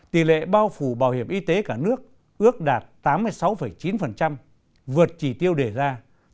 tỷ lệ bao phủ bảo hiểm y tế cả nước ước đạt tám mươi sáu chín vượt chỉ tiêu để ra tám mươi năm hai